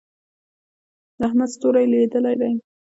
د احمد ستوری لوېدلی دی.